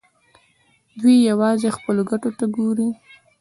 دوی یوازې خپلو ګټو ته ګوري.